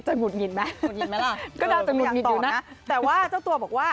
จะหมุนหินแม่ก็ได้หมืออย่างต่อนะแต่ว่าเจ้าตัวบอกว่าก็